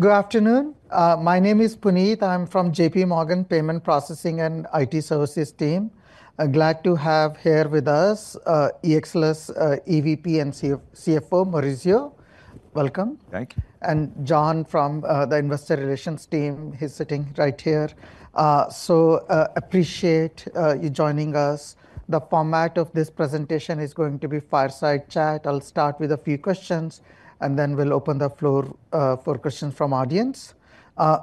Good afternoon. My name is Puneet. I'm from JPMorgan Payment Processing and IT Services team. Glad to have here with us EXLS EVP and CFO, Maurizio. Welcome. Thank you. John from the Investor Relations team. He's sitting right here. So, appreciate you joining us. The format of this presentation is going to be fireside chat. I'll start with a few questions, and then we'll open the floor for questions from the audience.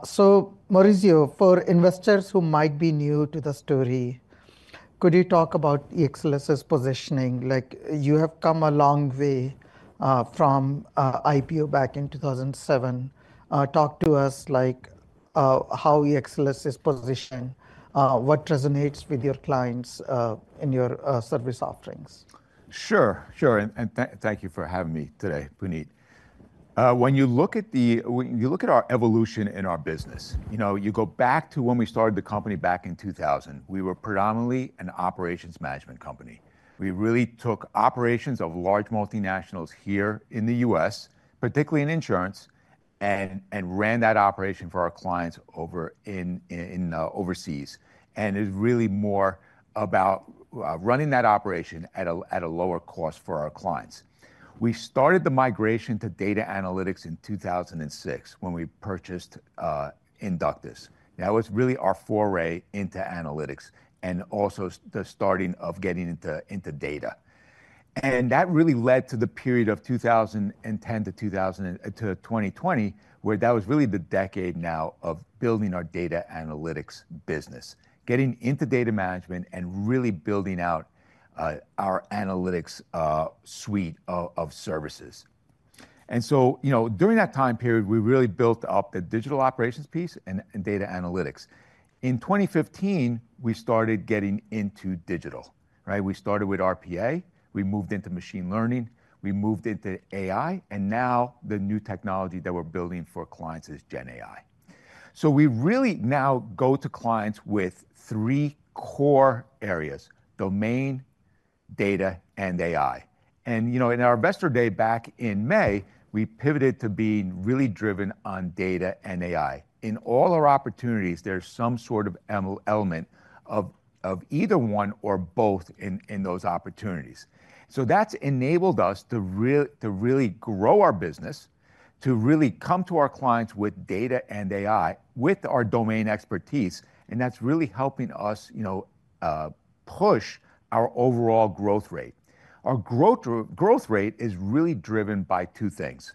So, Maurizio, for investors who might be new to the story, could you talk about EXLS's positioning? You have come a long way from IPO back in 2007. Talk to us how EXLS is positioned, what resonates with your clients in your service offerings. Sure, sure. And thank you for having me today, Puneet. When you look at our evolution in our business, you go back to when we started the company back in 2000. We were predominantly an operations management company. We really took operations of large multinationals here in the U.S., particularly in insurance, and ran that operation for our clients overseas. And it's really more about running that operation at a lower cost for our clients. We started the migration to data analytics in 2006 when we purchased Inductis. That was really our foray into analytics and also the starting of getting into data. And that really led to the period of 2010 to 2020, where that was really the decade now of building our data analytics business, getting into data management, and really building out our analytics suite of services. And so during that time period, we really built up the digital operations piece and data analytics. In 2015, we started getting into digital. We started with RPA. We moved into machine learning. We moved into AI. And now the new technology that we're building for clients is GenAI. So we really now go to clients with three core areas: domain, data, and AI. And in our Investor Day back in May, we pivoted to being really driven on data and AI. In all our opportunities, there's some sort of element of either one or both in those opportunities. So that's enabled us to really grow our business, to really come to our clients with data and AI with our domain expertise. And that's really helping us push our overall growth rate. Our growth rate is really driven by two things.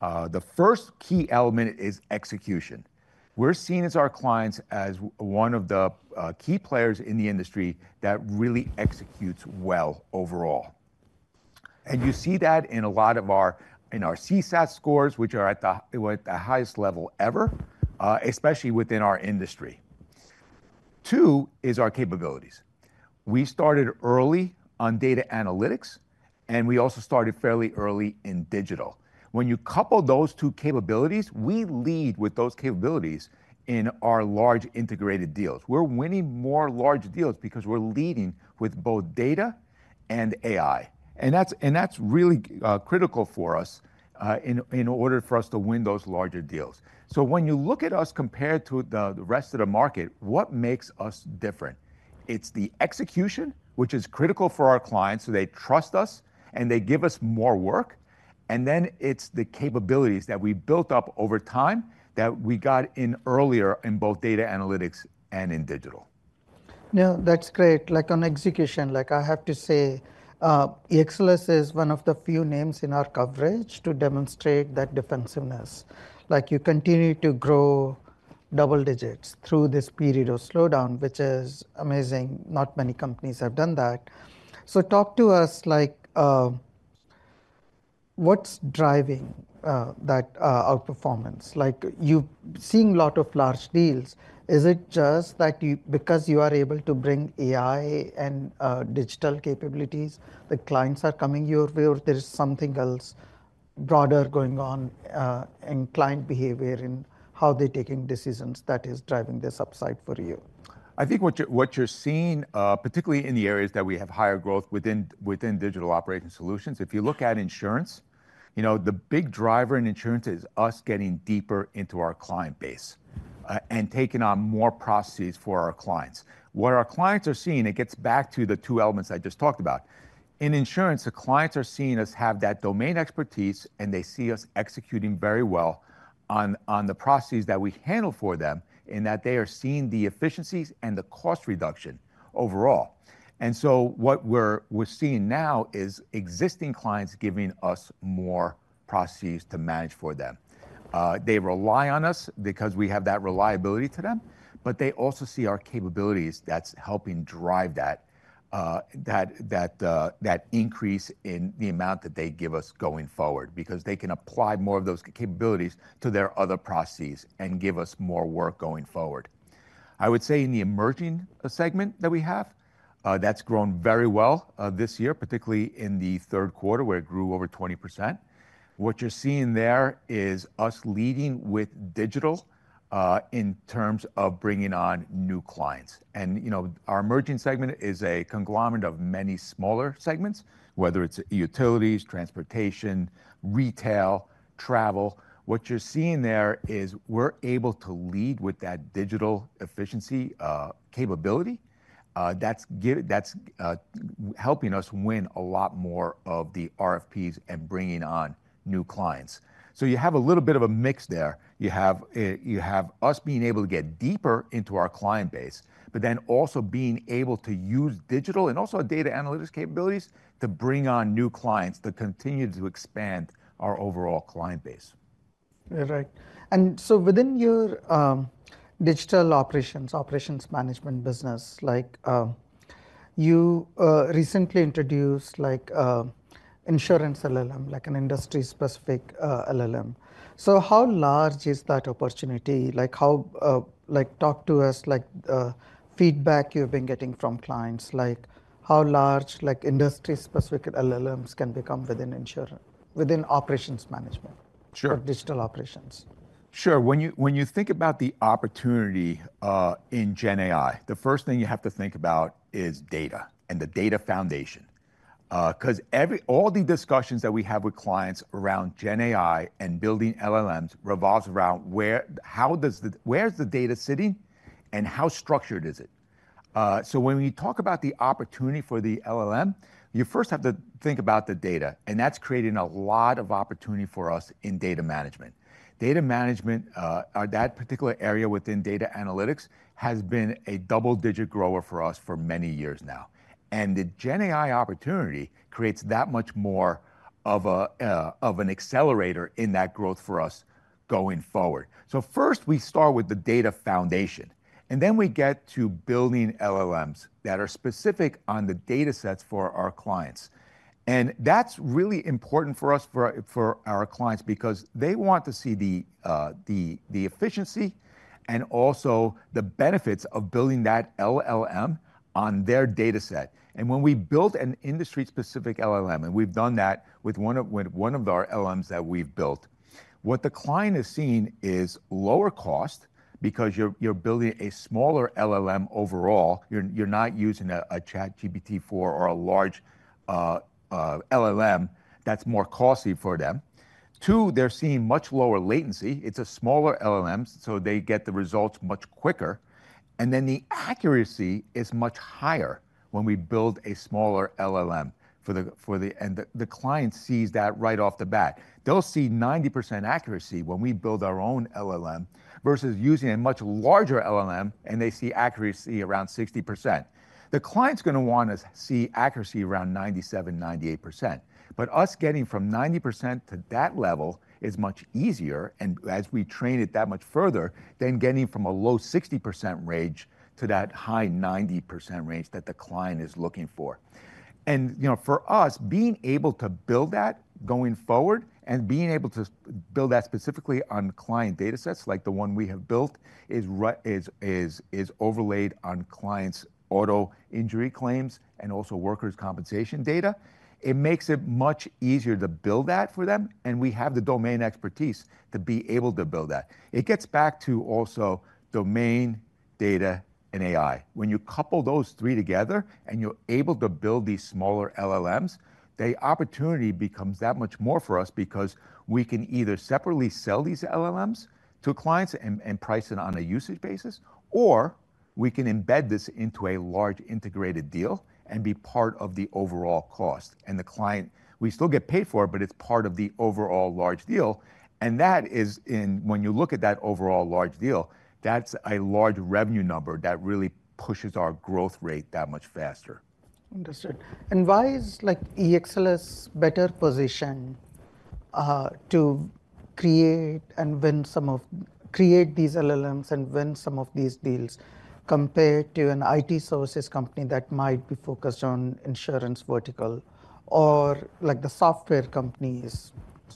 The first key element is execution. We're seen by our clients as one of the key players in the industry that really executes well overall. And you see that in a lot of our CSAT scores, which are at the highest level ever, especially within our industry. Two is our capabilities. We started early on data analytics, and we also started fairly early in digital. When you couple those two capabilities, we lead with those capabilities in our large integrated deals. We're winning more large deals because we're leading with both data and AI. And that's really critical for us in order for us to win those larger deals. So when you look at us compared to the rest of the market, what makes us different? It's the execution, which is critical for our clients, so they trust us and they give us more work. And then it's the capabilities that we built up over time that we got in earlier in both data analytics and in digital. Now, that's great. Like on execution, I have to say EXLS is one of the few names in our coverage to demonstrate that defensiveness. You continue to grow double digits through this period of slowdown, which is amazing. Not many companies have done that. So talk to us, what's driving that outperformance? You've seen a lot of large deals. Is it just that because you are able to bring AI and digital capabilities, the clients are coming your way, or there is something else broader going on in client behavior and how they're taking decisions that is driving this upside for you? I think what you're seeing, particularly in the areas that we have higher growth within digital operations solutions, if you look at insurance, the big driver in insurance is us getting deeper into our client base and taking on more processes for our clients. What our clients are seeing, it gets back to the two elements I just talked about. In insurance, the clients are seeing us have that domain expertise, and they see us executing very well on the processes that we handle for them in that they are seeing the efficiencies and the cost reduction overall. And so what we're seeing now is existing clients giving us more processes to manage for them. They rely on us because we have that reliability to them, but they also see our capabilities that's helping drive that increase in the amount that they give us going forward because they can apply more of those capabilities to their other processes and give us more work going forward. I would say in the emerging segment that we have, that's grown very well this year, particularly in the third quarter, where it grew over 20%. What you're seeing there is us leading with digital in terms of bringing on new clients. And our emerging segment is a conglomerate of many smaller segments, whether it's utilities, transportation, retail, travel. What you're seeing there is we're able to lead with that digital efficiency capability that's helping us win a lot more of the RFPs and bringing on new clients. So you have a little bit of a mix there. You have us being able to get deeper into our client base, but then also being able to use digital and also data analytics capabilities to bring on new clients that continue to expand our overall client base. All right. And so within your digital operations, operations management business, you recently introduced Insurance LLM, like an industry-specific LLM. So how large is that opportunity? Talk to us, feedback you've been getting from clients, how large industry-specific LLMs can become within operations management or digital operations? Sure. When you think about the opportunity in GenAI, the first thing you have to think about is data and the data foundation. Because all the discussions that we have with clients around GenAI and building LLMs revolves around where is the data sitting and how structured is it? So when we talk about the opportunity for the LLM, you first have to think about the data. And that's creating a lot of opportunity for us in data management. Data management, that particular area within data analytics, has been a double-digit grower for us for many years now. And the GenAI opportunity creates that much more of an accelerator in that growth for us going forward. So first, we start with the data foundation. And then we get to building LLMs that are specific on the data sets for our clients. That's really important for us, for our clients, because they want to see the efficiency and also the benefits of building that LLM on their data set. When we build an industry-specific LLM, and we've done that with one of our LLMs that we've built, what the client is seeing is lower cost because you're building a smaller LLM overall. You're not using a ChatGPT-4 or a large LLM that's more costly for them. Two, they're seeing much lower latency. It's a smaller LLM, so they get the results much quicker. Then the accuracy is much higher when we build a smaller LLM. The client sees that right off the bat. They'll see 90% accuracy when we build our own LLM versus using a much larger LLM, and they see accuracy around 60%. The client's going to want to see accuracy around 97%-98%. But us getting from 90% to that level is much easier and, as we train it that much further, than getting from a low 60% range to that high 90% range that the client is looking for. And for us, being able to build that going forward and being able to build that specifically on client data sets like the one we have built is overlaid on clients' auto injury claims and also workers' compensation data. It makes it much easier to build that for them. And we have the domain expertise to be able to build that. It gets back to also domain, data, and AI. When you couple those three together and you're able to build these smaller LLMs, the opportunity becomes that much more for us because we can either separately sell these LLMs to clients and price it on a usage basis, or we can embed this into a large integrated deal and be part of the overall cost, and the client, we still get paid for it, but it's part of the overall large deal, and that is, when you look at that overall large deal, that's a large revenue number that really pushes our growth rate that much faster. Understood. And why is EXLS better positioned to create and win some of these LLMs and win some of these deals compared to an IT services company that might be focused on insurance vertical or the software companies,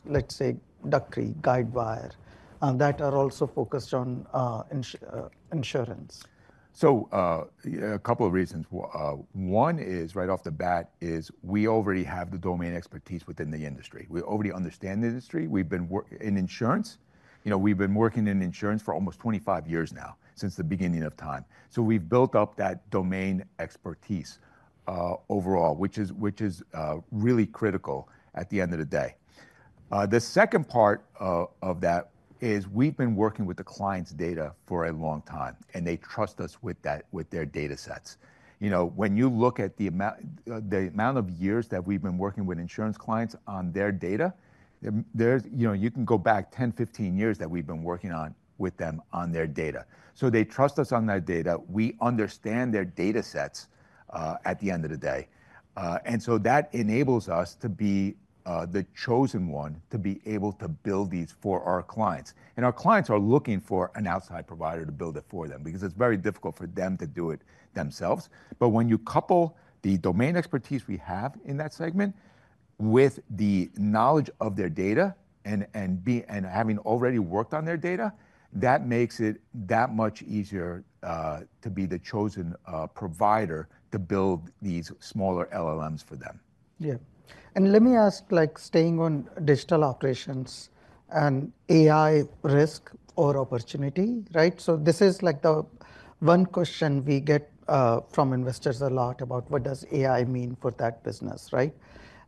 let's say Duck Creek, Guidewire, that are also focused on insurance? So a couple of reasons. One is right off the bat, we already have the domain expertise within the industry. We already understand the industry. In insurance, we've been working in insurance for almost 25 years now since the beginning of time. So we've built up that domain expertise overall, which is really critical at the end of the day. The second part of that is we've been working with the client's data for a long time, and they trust us with their data sets. When you look at the amount of years that we've been working with insurance clients on their data, you can go back 10-15 years that we've been working with them on their data. So they trust us on that data. We understand their data sets at the end of the day. And so that enables us to be the chosen one to be able to build these for our clients. And our clients are looking for an outside provider to build it for them because it's very difficult for them to do it themselves. But when you couple the domain expertise we have in that segment with the knowledge of their data and having already worked on their data, that makes it that much easier to be the chosen provider to build these smaller LLMs for them. Yeah. And let me ask, staying on digital operations and AI risk or opportunity, right? So this is like the one question we get from investors a lot about what does AI mean for that business, right?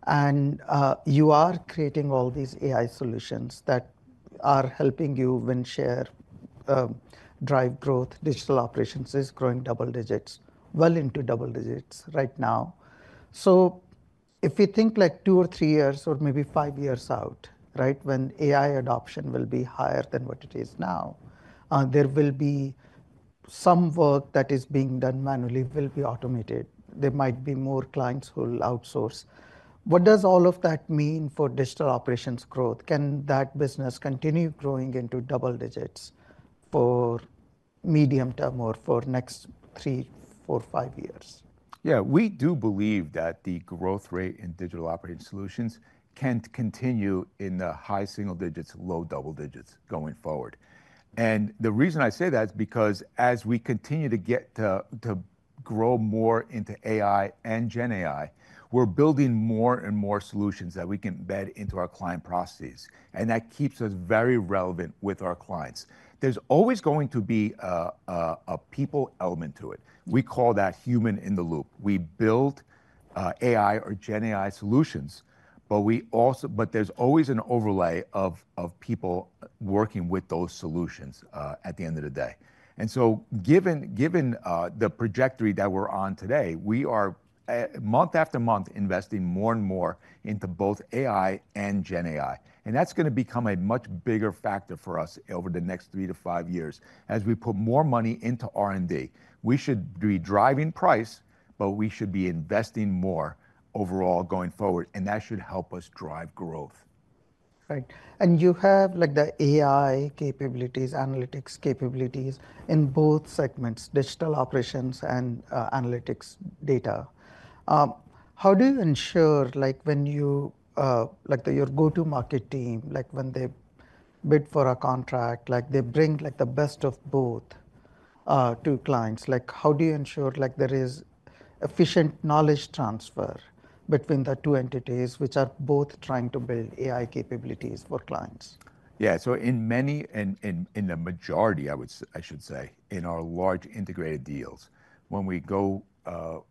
And you are creating all these AI solutions that are helping you win share, drive growth. Digital operations is growing double digits, well into double digits right now. So if we think like two or three years or maybe five years out, when AI adoption will be higher than what it is now, there will be some work that is being done manually will be automated. There might be more clients who will outsource. What does all of that mean for digital operations growth? Can that business continue growing into double digits for medium term or for next three, four, five years? Yeah, we do believe that the growth rate in digital operating solutions can continue in the high single digits, low double digits going forward. And the reason I say that is because as we continue to grow more into AI and GenAI, we're building more and more solutions that we can embed into our client processes. And that keeps us very relevant with our clients. There's always going to be a people element to it. We call that human in the loop. We build AI or GenAI solutions, but there's always an overlay of people working with those solutions at the end of the day. And so given the trajectory that we're on today, we are month after month investing more and more into both AI and GenAI. That's going to become a much bigger factor for us over the next three to five years as we put more money into R&D. We should be driving price, but we should be investing more overall going forward. That should help us drive growth. Right. And you have the AI capabilities, analytics capabilities in both segments, digital operations and analytics data. How do you ensure when your go-to-market team, when they bid for a contract, they bring the best of both to clients? How do you ensure there is efficient knowledge transfer between the two entities, which are both trying to build AI capabilities for clients? Yeah. So in the majority, I should say, in our large integrated deals,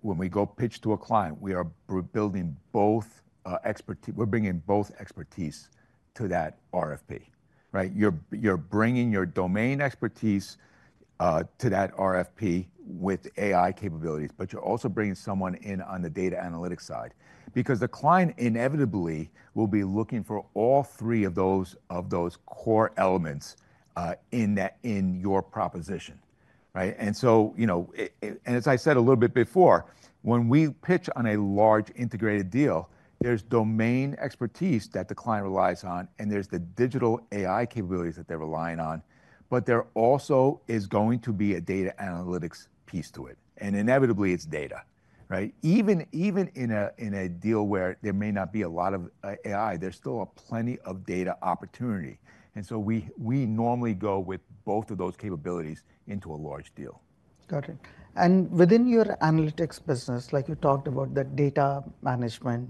when we go pitch to a client, we are building both expertise. We're bringing both expertise to that RFP, right? You're bringing your domain expertise to that RFP with AI capabilities, but you're also bringing someone in on the data analytics side because the client inevitably will be looking for all three of those core elements in your proposition, right? And as I said a little bit before, when we pitch on a large integrated deal, there's domain expertise that the client relies on, and there's the digital AI capabilities that they're relying on, but there also is going to be a data analytics piece to it. And inevitably, it's data, right? Even in a deal where there may not be a lot of AI, there's still plenty of data opportunity. And so we normally go with both of those capabilities into a large deal. Got it. And within your analytics business, like you talked about, the data management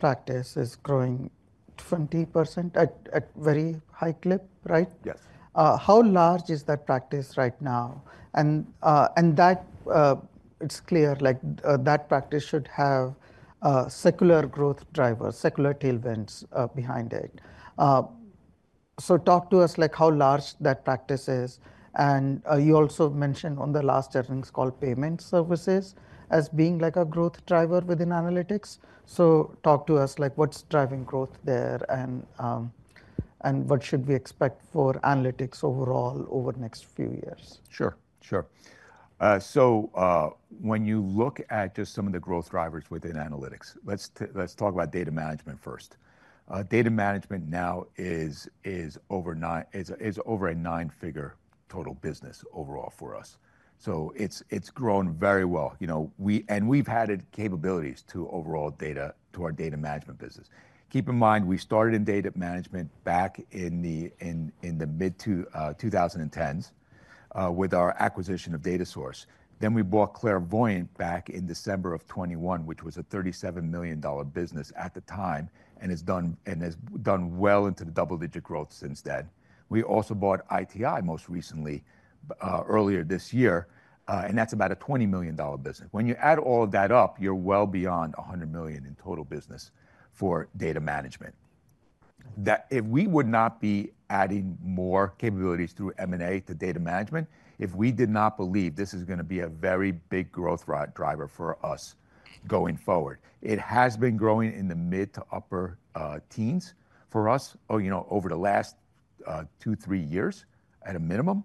practice is growing 20% at very high clip, right? Yes. How large is that practice right now? And it's clear that practice should have secular growth drivers, secular tailwinds behind it. So talk to us how large that practice is. And you also mentioned on the last earnings call, payment services as being a growth driver within analytics. So talk to us what's driving growth there and what should we expect for analytics overall over the next few years. Sure, sure. So when you look at just some of the growth drivers within analytics, let's talk about data management first. Data management now is over a nine-figure total business overall for us. So it's grown very well. And we've added capabilities to our data management business. Keep in mind, we started in data management back in the mid-2010s with our acquisition of Datasource. Then we bought Clairvoyant back in December of 2021, which was a $37 million business at the time and has done well into the double-digit growth since then. We also bought ITI most recently earlier this year, and that's about a $20 million business. When you add all of that up, you're well beyond $100 million in total business for data management. If we would not be adding more capabilities through M&A to data management, if we did not believe this is going to be a very big growth driver for us going forward. It has been growing in the mid- to upper-teens for us over the last two, three years at a minimum,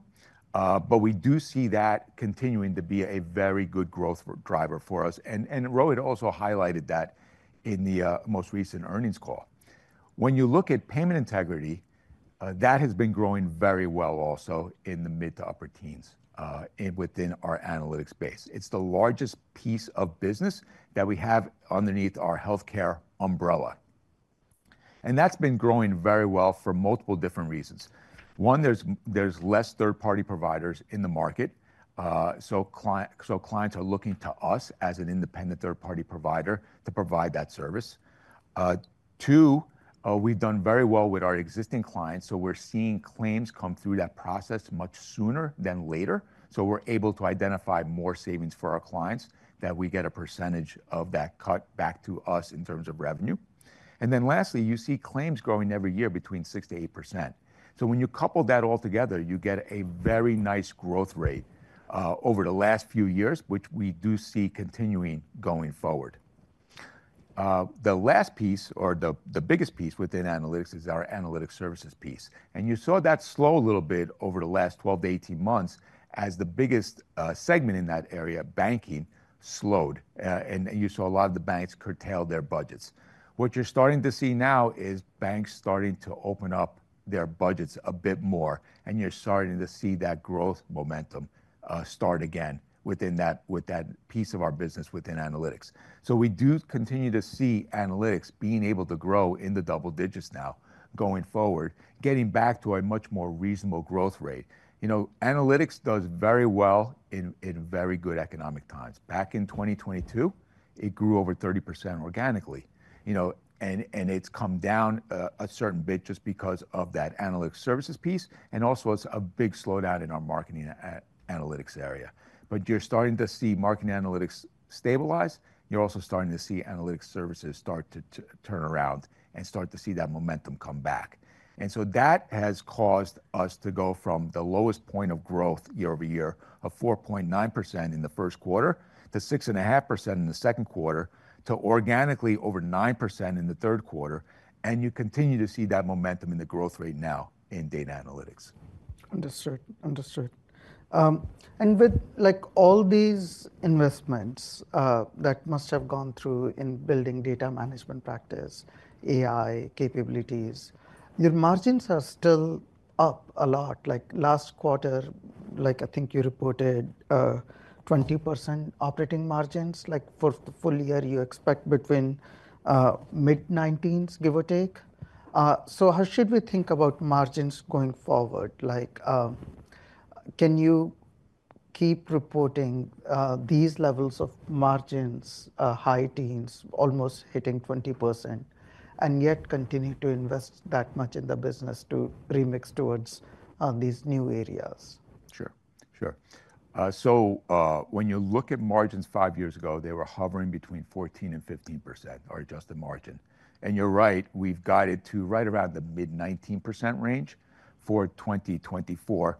but we do see that continuing to be a very good growth driver for us, and Rohit also highlighted that in the most recent earnings call. When you look at payment integrity, that has been growing very well also in the mid- to upper-teens within our analytics base. It's the largest piece of business that we have underneath our healthcare umbrella, and that's been growing very well for multiple different reasons. One, there's less third-party providers in the market. So clients are looking to us as an independent third-party provider to provide that service. Two, we've done very well with our existing clients. So we're seeing claims come through that process much sooner than later. So we're able to identify more savings for our clients that we get a percentage of that cut back to us in terms of revenue. And then lastly, you see claims growing every year between 6% to 8%. So when you couple that all together, you get a very nice growth rate over the last few years, which we do see continuing going forward. The last piece or the biggest piece within analytics is our analytic services piece. And you saw that slow a little bit over the last 12 to 18 months as the biggest segment in that area, banking, slowed. And you saw a lot of the banks curtail their budgets. What you're starting to see now is banks starting to open up their budgets a bit more. And you're starting to see that growth momentum start again within that piece of our business within analytics. So we do continue to see analytics being able to grow in the double digits now going forward, getting back to a much more reasonable growth rate. Analytics does very well in very good economic times. Back in 2022, it grew over 30% organically. And it's come down a certain bit just because of that analytic services piece. And also, it's a big slowdown in our marketing analytics area. But you're starting to see marketing analytics stabilize. You're also starting to see analytic services start to turn around and start to see that momentum come back. And so that has caused us to go from the lowest point of growth year over year of 4.9% in the first quarter to 6.5% in the second quarter to organically over 9% in the third quarter. And you continue to see that momentum in the growth rate now in data analytics. Understood. Understood. And with all these investments that must have gone through in building data management practice, AI capabilities, your margins are still up a lot. Last quarter, I think you reported 20% operating margins. For the full year, you expect between mid-19s, give or take. So how should we think about margins going forward? Can you keep reporting these levels of margins, high teens, almost hitting 20%, and yet continue to invest that much in the business to remix towards these new areas? Sure, sure. So when you look at margins five years ago, they were hovering between 14% and 15% or adjusted margin. And you're right, we've guided to right around the mid-19% range for 2024,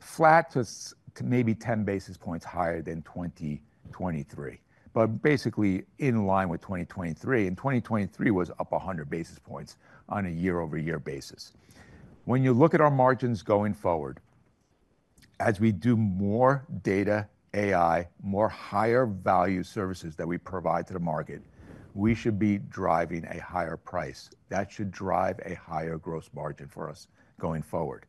flat to maybe 10 basis points higher than 2023, but basically in line with 2023. And 2023 was up 100 basis points on a year-over-year basis. When you look at our margins going forward, as we do more data, AI, more higher value services that we provide to the market, we should be driving a higher price. That should drive a higher gross margin for us going forward.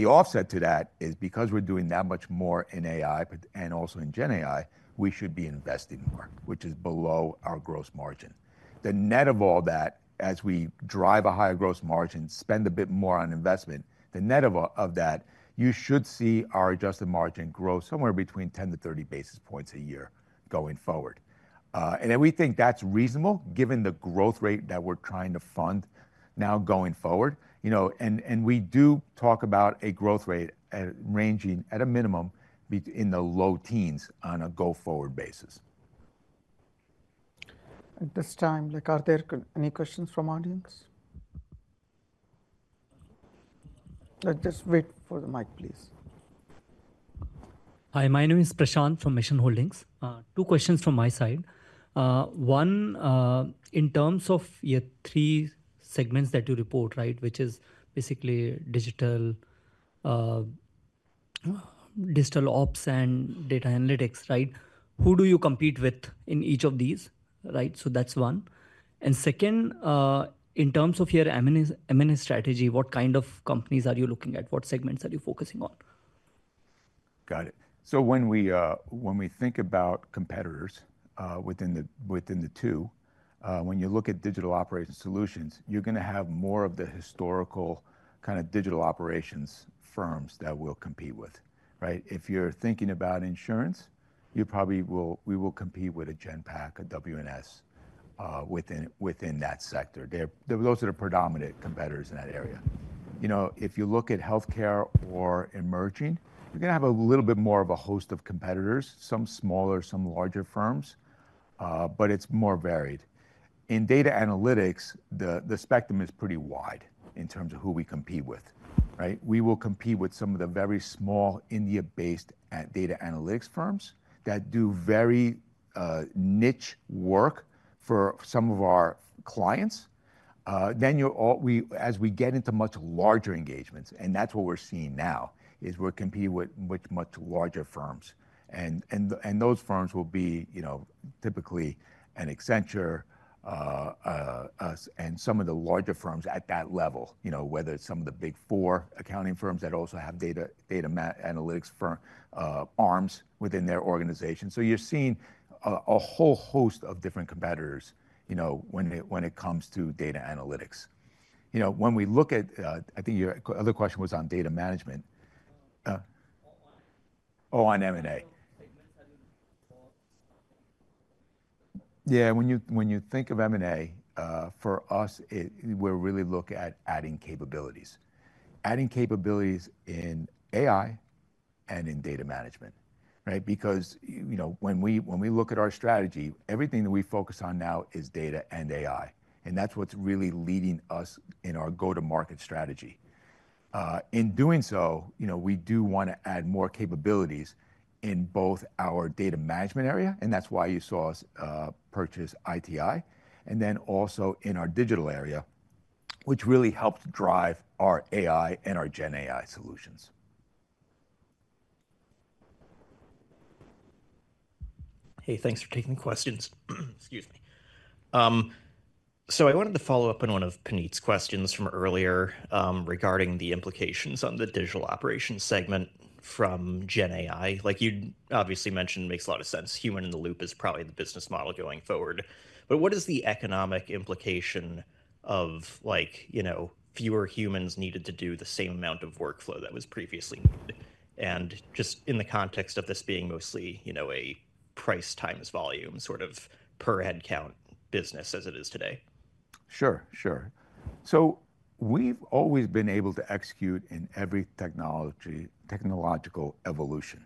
The offset to that is because we're doing that much more in AI and also in GenAI, we should be investing more, which is below our gross margin. The net of all that, as we drive a higher gross margin, spend a bit more on investment, the net of that, you should see our adjusted margin grow somewhere between 10 to 30 basis points a year going forward. And we think that's reasonable given the growth rate that we're trying to fund now going forward. And we do talk about a growth rate ranging at a minimum in the low teens on a go-forward basis. At this time, are there any questions from audience? Just wait for the mic, please. Hi, my name is Prashant from Mission Holdings. Two questions from my side. One, in terms of your three segments that you report, which is basically digital ops and data analytics, who do you compete with in each of these? So that's one. And second, in terms of your M&A strategy, what kind of companies are you looking at? What segments are you focusing on? Got it. So when we think about competitors within the two, when you look at digital operating solutions, you're going to have more of the historical kind of digital operations firms that we'll compete with. If you're thinking about insurance, we will compete with a Genpact, a WNS within that sector. Those are the predominant competitors in that area. If you look at healthcare or emerging, you're going to have a little bit more of a host of competitors, some smaller, some larger firms, but it's more varied. In data analytics, the spectrum is pretty wide in terms of who we compete with. We will compete with some of the very small India-based data analytics firms that do very niche work for some of our clients. Then as we get into much larger engagements, and that's what we're seeing now, is we're competing with much larger firms. Those firms will be typically an Accenture and some of the larger firms at that level, whether it's some of the big four accounting firms that also have data analytics arms within their organization. So you're seeing a whole host of different competitors when it comes to data analytics. When we look at, I think your other question was on data management. Oh, on M&A. Yeah, when you think of M&A, for us, we're really looking at adding capabilities, adding capabilities in AI and in data management. Because when we look at our strategy, everything that we focus on now is data and AI. And that's what's really leading us in our go-to-market strategy. In doing so, we do want to add more capabilities in both our data management area. And that's why you saw us purchase ITI. And then also in our digital area, which really helps drive our AI and our GenAI solutions. Hey, thanks for taking the questions. Excuse me. So I wanted to follow up on one of Puneet's questions from earlier regarding the implications on the digital operations segment from GenAI. Like you obviously mentioned, makes a lot of sense. Human in the loop is probably the business model going forward. But what is the economic implication of fewer humans needed to do the same amount of workflow that was previously needed? And just in the context of this being mostly a price times volume sort of per head count business as it is today. Sure, sure. So we've always been able to execute in every technological evolution.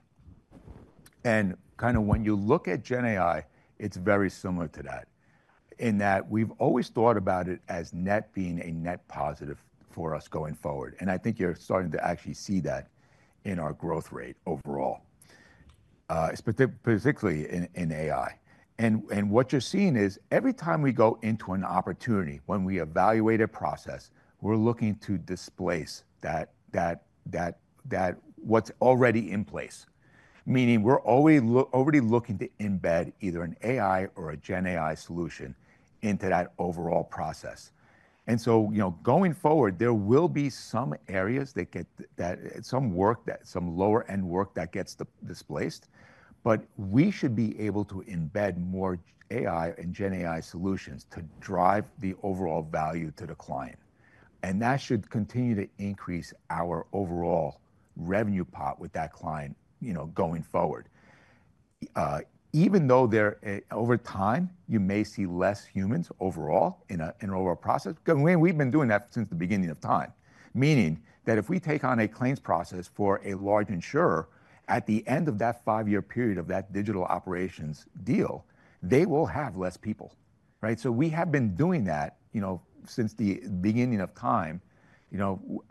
And kind of when you look at GenAI, it's very similar to that in that we've always thought about it as net being a net positive for us going forward. And I think you're starting to actually see that in our growth rate overall, particularly in AI. And what you're seeing is every time we go into an opportunity, when we evaluate a process, we're looking to displace what's already in place, meaning we're already looking to embed either an AI or a GenAI solution into that overall process. And so going forward, there will be some areas that get some work, some lower-end work that gets displaced. But we should be able to embed more AI and GenAI solutions to drive the overall value to the client. And that should continue to increase our overall revenue pot with that client going forward. Even though over time, you may see less humans overall in an overall process, because we've been doing that since the beginning of time, meaning that if we take on a claims process for a large insurer, at the end of that five-year period of that digital operations deal, they will have less people. So we have been doing that since the beginning of time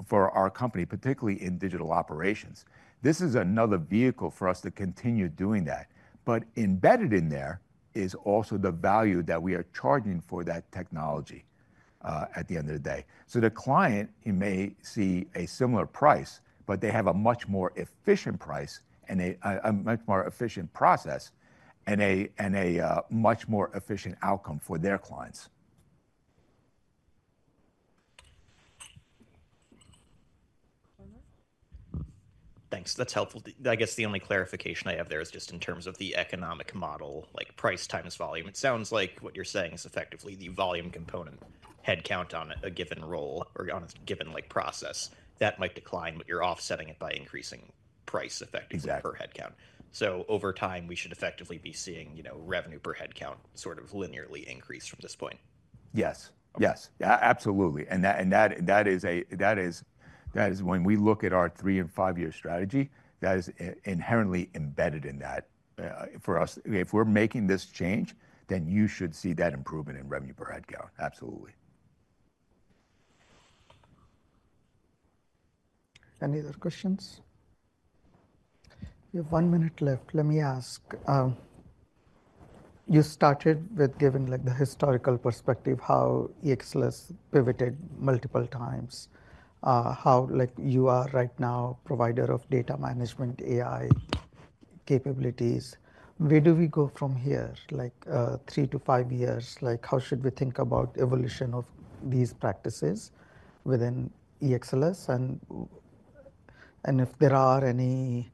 for our company, particularly in digital operations. This is another vehicle for us to continue doing that. But embedded in there is also the value that we are charging for that technology at the end of the day. So the client, he may see a similar price, but they have a much more efficient price and a much more efficient process and a much more efficient outcome for their clients. Thanks. That's helpful. I guess the only clarification I have there is just in terms of the economic model, like price times volume. It sounds like what you're saying is effectively the volume component headcount on a given role or on a given process that might decline, but you're offsetting it by increasing price effectively per headcount. So over time, we should effectively be seeing revenue per headcount sort of linearly increase from this point. Yes, yes, absolutely. And that is when we look at our three and five-year strategy, that is inherently embedded in that for us. If we're making this change, then you should see that improvement in revenue per headcount. Absolutely. Any other questions? We have one minute left. Let me ask. You started with giving the historical perspective, how EXLS pivoted multiple times, how you are right now a provider of data management AI capabilities. Where do we go from here? Three to five years, how should we think about the evolution of these practices within EXLS? And if there are any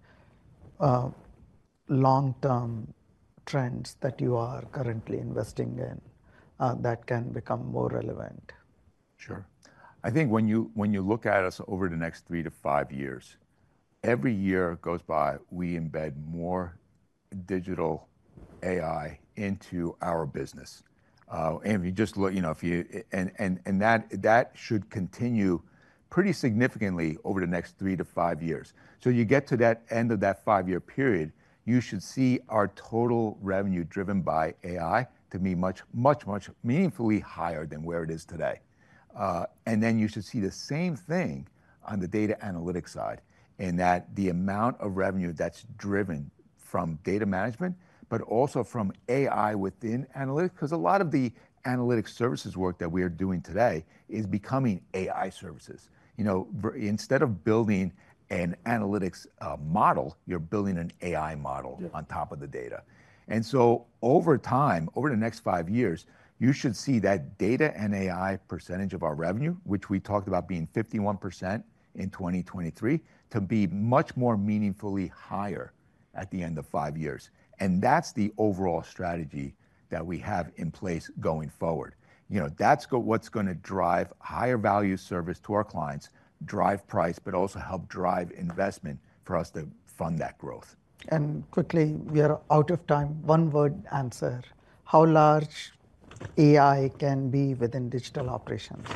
long-term trends that you are currently investing in that can become more relevant. Sure. I think when you look at us over the next three to five years, every year goes by, we embed more digital AI into our business. And if you just look, and that should continue pretty significantly over the next three to five years. So you get to that end of that five-year period, you should see our total revenue driven by AI to be much, much, much meaningfully higher than where it is today. And then you should see the same thing on the data analytics side in that the amount of revenue that's driven from data management, but also from AI within analytics, because a lot of the analytic services work that we are doing today is becoming AI services. Instead of building an analytics model, you're building an AI model on top of the data. And so over time, over the next five years, you should see that data and AI percentage of our revenue, which we talked about being 51% in 2023, to be much more meaningfully higher at the end of five years. And that's the overall strategy that we have in place going forward. That's what's going to drive higher value service to our clients, drive price, but also help drive investment for us to fund that growth. Quickly, we are out of time. One-word answer. How large AI can be within digital operations?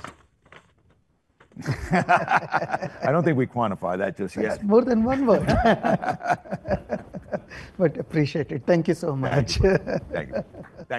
I don't think we quantify that just yet. Yes, more than one word. But appreciate it. Thank you so much. Thank you. Thank you.